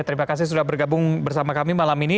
terima kasih sudah bergabung bersama kami malam ini